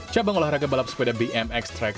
cabang olahraga balap sepeda bmx track